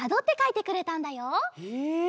へえ！